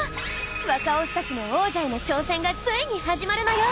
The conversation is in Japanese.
若オスたちの王者への挑戦がついに始まるのよ。